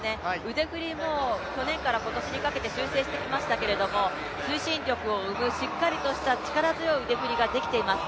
腕振りも去年から今年にかけて修正してきましたけども推進力を生むしっかりとした力強い腕振りができています。